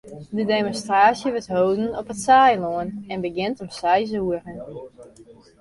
De demonstraasje wurdt hâlden op it Saailân en begjint om seis oere.